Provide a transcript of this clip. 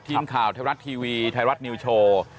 ทีมข่าวไทยรัฐทีวีไทยรัฐนิวโชว์